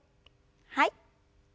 はい。